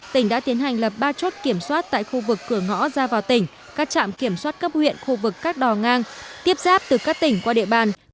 tỉnh đã tiến hành lập ba chốt kiểm soát tại khu vực cửa ngõ ra vào tỉnh các trạm kiểm soát cấp huyện khu vực các đò ngang tiếp giáp từ các tỉnh qua địa bàn